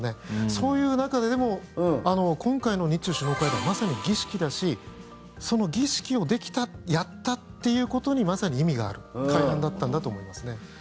そういう中ででも、今回の日中首脳会談まさに儀式だし、儀式をできたやったということにまさに意味がある会談だったんだと思いますね。